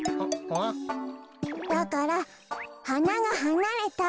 だからはながはなれた。